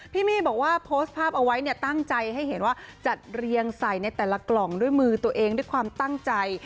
พี่มี่บอกว่าโพสต์ภาพเอาไว้เนี่ยตั้งใจให้เห็นว่าจัดเรียงใส่ในแต่ละกล่องด้วยมือตัวเองด้วยความตั้งใจ